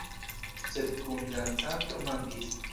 Sed kundancanto mankis.